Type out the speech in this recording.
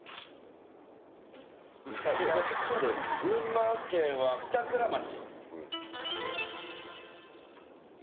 群馬県は板倉町。